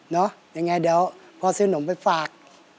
ยังไงเดี๋ยวพ่อซื้อนมไปฝาก